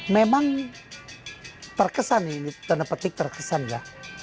memang terkesan ini tanda petik terkesan ya